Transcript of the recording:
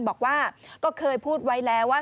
บอกว่าก็เคยพูดไว้แล้วว่า